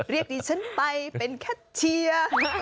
เรียกดิฉันไปเป็นแคทเชียร์